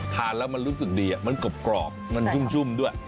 ทานแล้วมันรู้สึกดีมันกรอบมันชุ่มด้วย